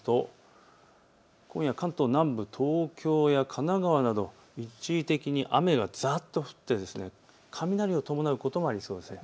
動かしてみますと今夜、関東南部東京や神奈川など一時的に雨がざーっと降っって雷を伴うこともありそうです。